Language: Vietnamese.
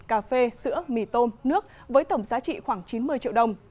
cà phê sữa mì tôm nước với tổng giá trị khoảng chín mươi triệu đồng